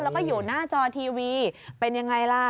แล้วก็อยู่หน้าจอทีวีเป็นยังไงล่ะ